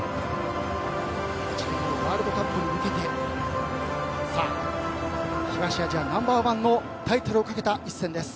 １年後のワールドカップに向けて東アジアナンバー１のタイトルをかけた一戦です。